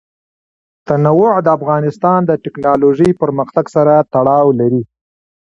تنوع د افغانستان د تکنالوژۍ پرمختګ سره تړاو لري.